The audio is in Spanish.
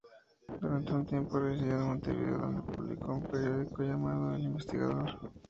Durante un tiempo residió en Montevideo, donde publicó un periódico llamado "El Investigador".